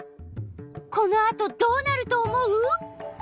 このあとどうなると思う？